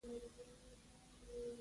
د کرز سیمه او دا کلا مو پرېښوده.